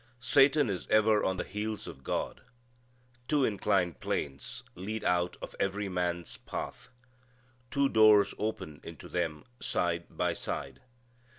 Satan is ever on the heels of God. Two inclined planes lead out of every man's path. Two doors open into them side by side.